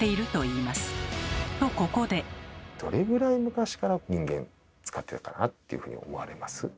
どれぐらい昔から人間使ってるかなっていうふうに思われます？